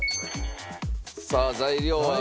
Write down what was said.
さあ材料は。